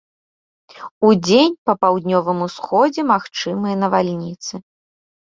Удзень па паўднёвым усходзе магчымыя навальніцы.